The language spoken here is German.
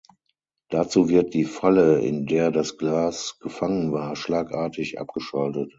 Dazu wird die Falle, in der das Gas gefangen war, schlagartig abgeschaltet.